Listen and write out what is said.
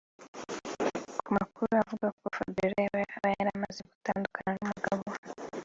Ku makuru avuga ko Fabiola yaba yaramaze gutandukana n’umugabo we